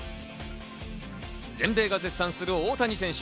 全米が絶賛する大谷選手。